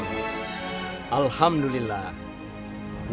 untuk membuat riman